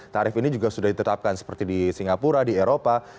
tarif ini juga sudah ditetapkan seperti di singapura di eropa